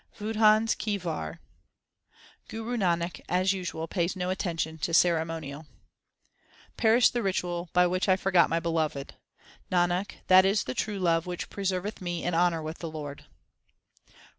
WADHANS KI WAR Guru Nanak as usual pays no attention to cere monial : Perish the ritual by which I forgot my Beloved ! Nanak, that is the true love which preserveth me in honour with the Lord.